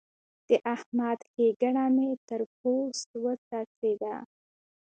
د احمد ښېګڼه مې تر پوست وڅڅېده.